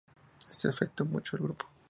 Esto afectó mucho al grupo.